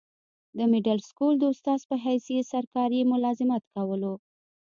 دمډل سکول د استاذ پۀ حيث ئي سرکاري ملازمت کولو